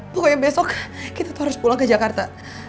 pokoknya besok kita tuh harus pulang ke jakarta